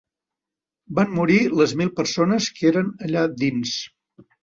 Van morir les mil persones que eren allà dins.